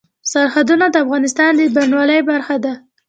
سرحدونه د افغانستان د بڼوالۍ برخه ده.